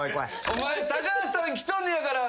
「お前高橋さん来とるんやから」